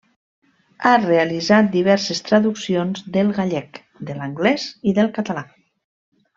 Ha realitzat diverses traduccions del gallec, de l'anglès i del català.